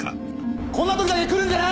こんな時だけ来るんじゃない！